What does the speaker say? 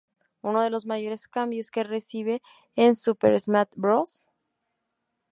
Uno de los mayores cambios que recibe en "Super Smash Bros.